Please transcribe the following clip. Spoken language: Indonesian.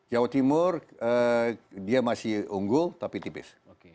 jawa timur dia masih unggul tapi tipis